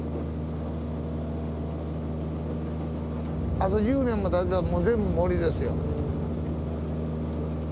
あと１０年もたてばもう全部森ですよ。